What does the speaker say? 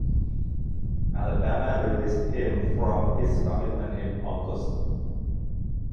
Alabama released him from his commitment in August.